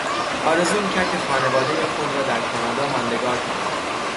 آرزو میکرد که خانوادهی خود را در کانادا ماندگار کند.